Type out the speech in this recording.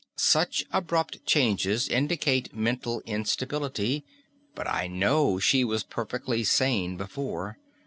Such abrupt changes indicate mental instability. But I know she was perfectly sane before.